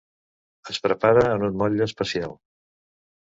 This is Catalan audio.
Es prepara en un motlle especial.